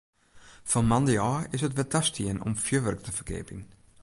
Fan moandei ôf is it wer tastien om fjurwurk te ferkeapjen.